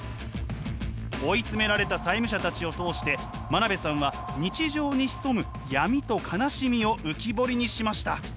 追い詰められた債務者たちを通して真鍋さんは日常に潜む闇と悲しみを浮き彫りにしました！